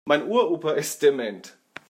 Mein Uropa ist dement.